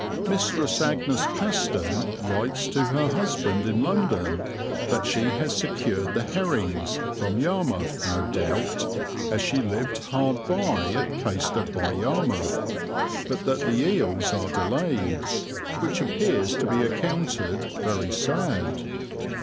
Mistress Agnes Paston writes to her husband in London that she has secured the herrings from Yarmouth, no doubt, as she lived hard by at Caister by Yarmouth but that the eels are delayed, which appears to be accounted very sad.